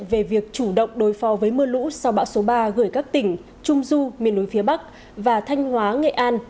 về việc chủ động đối phó với mưa lũ sau bão số ba gửi các tỉnh trung du miền núi phía bắc và thanh hóa nghệ an